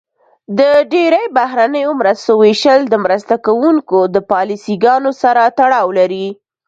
د ډیری بهرنیو مرستو ویشل د مرسته کوونکو د پالیسي ګانو سره تړاو لري.